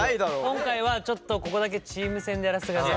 今回はちょっとここだけチーム戦でやらせてください。